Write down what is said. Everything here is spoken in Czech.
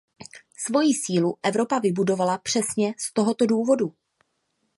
Svoji sílu Evropa vybudovala přesně z tohoto důvodu.